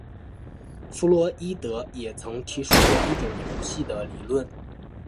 弗洛伊德也曾提出过一种游戏的理论。